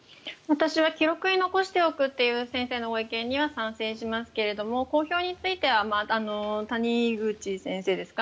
私は記録に残しておくという先生のご意見には賛成しますが公表については谷口先生ですか